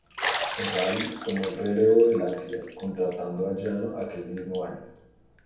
Ferrari tomó el relevo de Lancia, contratando a Jano aquel mismo año.